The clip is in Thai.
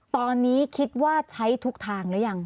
ตอนนี้คิดว่าใช้ทุกทางหรือยัง